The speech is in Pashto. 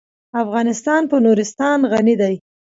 افغانستان په نورستان غني دی.